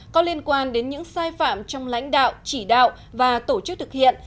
có liên quan đến những sai phạm trong lãnh đạo chỉ đạo và tổ chức thực hiện